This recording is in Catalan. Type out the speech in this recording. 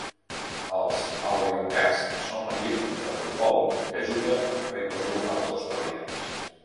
Els "Albion cats" són l'equip de futbol que juga amb regles locals australianes.